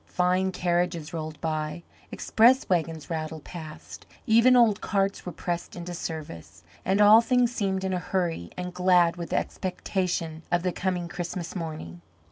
Fine carriages rolled by, express wagons rattled past, even old carts were pressed into service, and all things seemed in a hurry and glad with expectation of the coming Christmas morning.